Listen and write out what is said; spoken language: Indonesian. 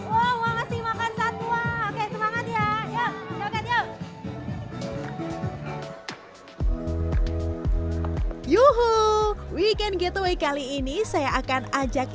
wow wangas dimakan satwa semangat ya yuk joget yuk yuhuu weekend getaway kali ini saya akan ajak